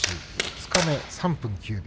二日目、３分９秒。